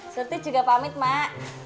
soti juga pamit mak